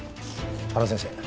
原先生